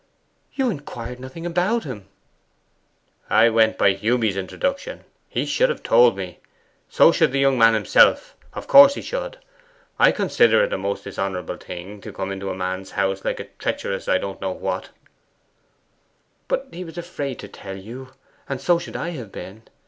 'You inquired nothing about him?' 'I went by Hewby's introduction. He should have told me. So should the young man himself; of course he should. I consider it a most dishonourable thing to come into a man's house like a treacherous I don't know what.' 'But he was afraid to tell you, and so should I have been.